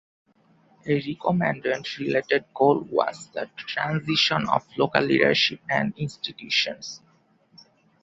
A recommended related goal was the transition of local leadership and institutions.